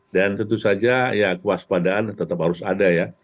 dan tentu saja ya kewaspadaan tetap harus ada ya